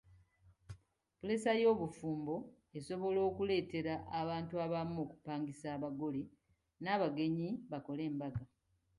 Puleesa y'obufumbo esobola okuleetera abantu abamu okupangisa abagole n'abagenyi bakole embaga.